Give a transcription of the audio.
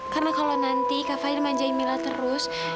karena kalau nanti kak fadil manjain mila terus